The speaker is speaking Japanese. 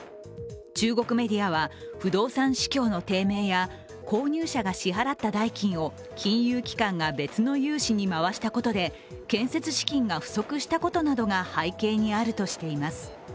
中国メディアは不動産市況の低迷や購入者が支払った代金を金融機関が別の融資に回したことで建設資金が不足したことなどが背景にあるとしています。